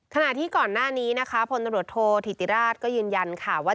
ขณะที่ก่อนหน้านี้พลนรโทษธิติราชยืนยันข่าวว่า